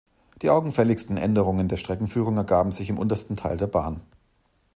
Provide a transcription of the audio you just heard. Die augenfälligsten Änderungen der Streckenführung ergaben sich im untersten Teil der Bahn.